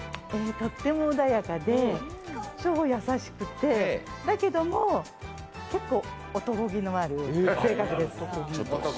とっても穏やかで超優しくてだけども結構、男気のある性格です